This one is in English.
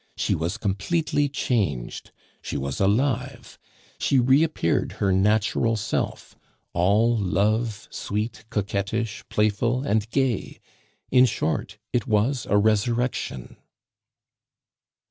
She was completely changed; she was alive. She reappeared her natural self, all love, sweet, coquettish, playful, and gay; in short, it was a resurrection.